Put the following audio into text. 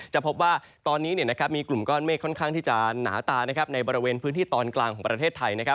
จะพบว่าตอนนี้มีกลุ่มก้อนเมฆค่อนข้างที่จะหนาตาในบริเวณพื้นที่ตอนกลางของประเทศไทย